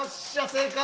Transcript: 正解！